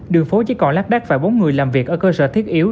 đường phố chỉ còn lắc đắc và bốn người làm việc ở cơ sở thiết yếu